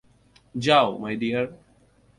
যাও, my deer.